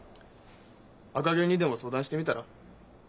赤ゲンにでも相談してみたら？